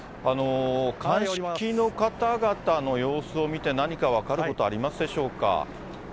鑑識の方々の様子を見て、何か分かることありますでしょうか。